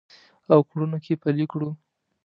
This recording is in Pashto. او کړنو کې پلي کړو